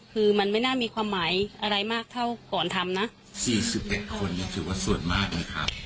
คือมันไม่น่ามีความหมายอะไรมากเท่าก่อนทำนะ๔๑คนนี่ถือว่าส่วนมากนะครับ